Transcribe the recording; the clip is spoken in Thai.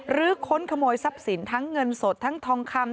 ค้นขโมยทรัพย์สินทั้งเงินสดทั้งทองคำ